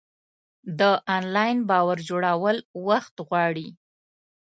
د انلاین باور جوړول وخت غواړي.